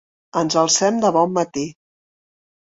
Ens alcem de bon matí.